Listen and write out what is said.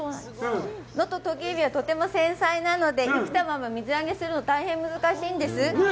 能登とき海老はとても繊細なので生きたまま水揚げするの、大変難しいんです。